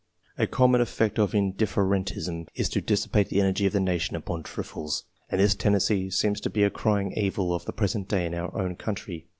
A common effect of indifferentism is to dissipate the energy of the nation upon trifles ; and this tendency seems to be a crying evil of the pre sent day in our own country.